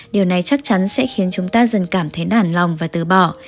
điều này chắc chắn sẽ khiến chúng ta dần cảm thấy nản lòng và từ bỏ